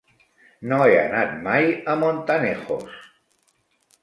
No he anat mai a Montanejos.